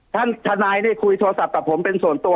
ทนายได้คุยโทรศัพท์กับผมเป็นส่วนตัว